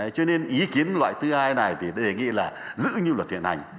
cho nên ý kiến loại thứ hai này thì để nghĩ là giữ như luật hiện hành